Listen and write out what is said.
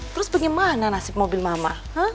terus bagaimana nasib mobil mama